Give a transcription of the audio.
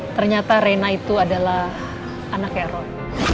ternyata rina itu adalah anak erol